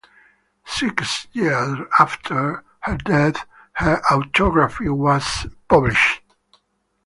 Six years after her death her autobiography was published.